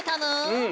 うん。